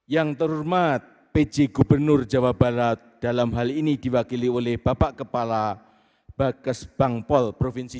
yang terhormat pj gubernur jawa barat dalam hal ini diwakili oleh bapak kepala bages bangpol provinsi